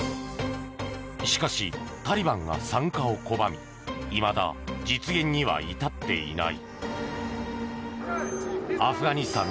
しかし、タリバンが参加を拒みいまだ実現には至っていない。